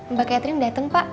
mbak catherine dateng pak